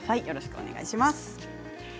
よろしくお願いします。